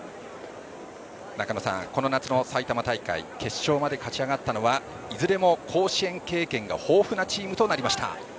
中野さん、この夏の埼玉大会決勝まで勝ち上がったのはいずれも甲子園経験が豊富なチームとなりました。